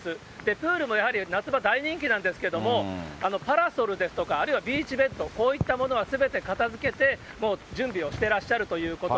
プールもやはり夏場、大人気なんですけれども、パラソルですとか、あるいはビーチベッド、こういったものはすべて片づけて、もう準備をしてらっしゃるということ。